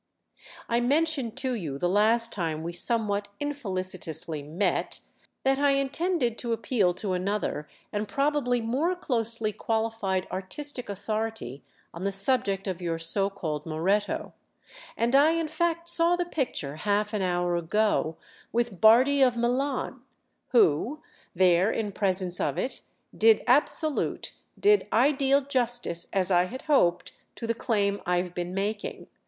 "I mentioned to you the last time we somewhat infelicitously met that I intended to appeal to another and probably more closely qualified artistic authority on the subject of your so called Moretto; and I in fact saw the picture half an hour ago with Bardi of Milan, who, there in presence of it, did absolute, did ideal justice, as I had hoped, to the claim I've been making.